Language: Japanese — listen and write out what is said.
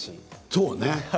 そうね。